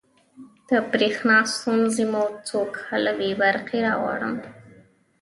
د بریښنا ستونزې مو څوک حلوی؟ برقي راغواړم